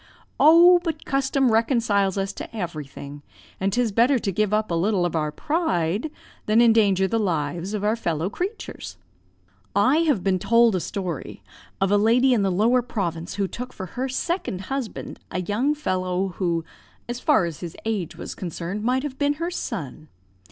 "Oh, but custom reconciles us to everything; and 'tis better to give up a little of our pride than endanger the lives of our fellow creatures. I have been told a story of a lady in the Lower Province, who took for her second husband a young fellow, who, as far as his age was concerned, might have been her son.